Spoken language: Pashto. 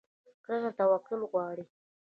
کرنه توکل غواړي.